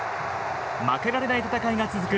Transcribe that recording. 負けられない戦いが続く